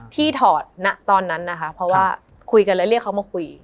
ถอดตอนนั้นนะคะเพราะว่าคุยกันแล้วเรียกเขามาคุย